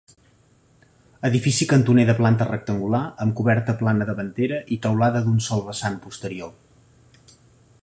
Edifici cantoner de planta rectangular, amb coberta plana davantera i teulada d'un sol vessant posterior.